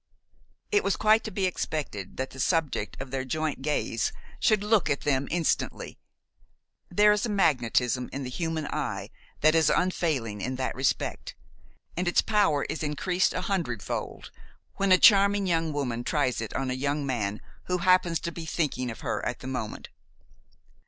It was quite to be expected that the subject of their joint gaze should look at them instantly. There is a magnetism in the human eye that is unfailing in that respect, and its power is increased a hundredfold when a charming young woman tries it on a young man who happens to be thinking of her at the moment.